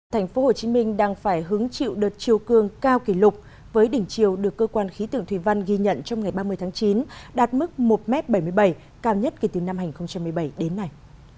thành phố hồ chí minh đang phải hứng chịu đợt chiều cường cao kỷ lục với đỉnh chiều được cơ quan khí tượng thủy văn ghi nhận trong ngày ba mươi tháng chín đạt mức một m bảy mươi bảy cao nhất kể từ năm hai nghìn một mươi bảy đến nay